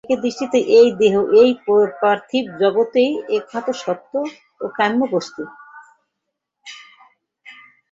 একের দৃষ্টিতে এই দেহ এবং এই পার্থিব জগৎই একমাত্র সত্য ও কাম্য বস্তু।